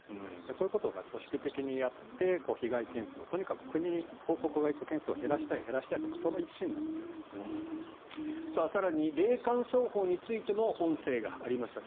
こういうことを組織的にやって被害件数を国に報告が行く件数を減らしたいという更に、霊感商法についても音声がありました。